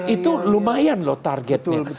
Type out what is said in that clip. itu lumayan loh targetnya